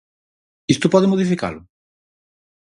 ¿Isto pode modificalo?